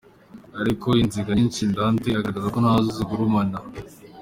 Ariko inziga nyinshi, Dante agaragaza ko nazo zigurumana.